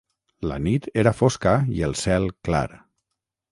La nit era fosca i el cel clar.